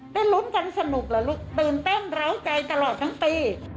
ได้รุ้นกันสนุกตื่นเต้นเหล้าใจตลอดทั้งปี